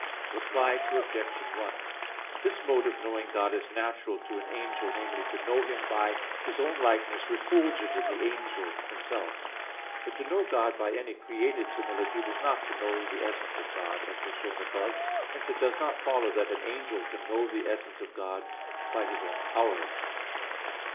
Reply Obj. 1: This mode of knowing God is natural to an angel namely, to know Him by His own likeness refulgent in the angel himself. But to know God by any created similitude is not to know the essence of God, as was shown above (A. 2). Hence it does not follow that an angel can know the essence of God by his own power.